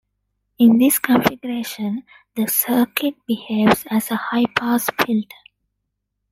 In this configuration, the circuit behaves as a "high-pass filter".